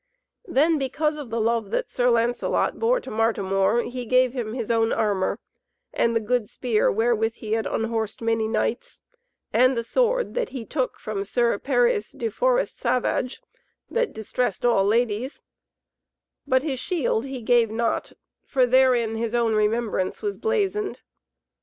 Then because of the love that Sir Lancelot bore to Martimor he gave him his own armour, and the good spear wherewith he had unhorsed many knights, and the sword that he took from Sir Peris de Forest Savage that distressed all ladies, but his shield he gave not, for therein his own remembrance was blazoned.